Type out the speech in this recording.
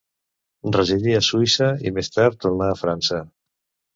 Residí a Suïssa i més tard tornà a França.